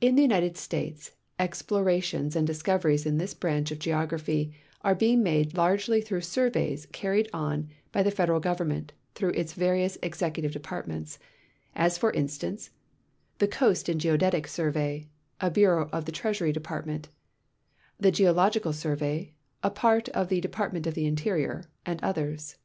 In the United States explorations and discoveries in this lu'anch of geography are being made largely through surveys carried on by the P'ed eral Government througli its various executive dejiartments — as, for instance, the Coast and Geodetic Survey, a bureau of the Treasury Deiiartment ; the Geological Survey, a part of the De partment of the Interior, and others.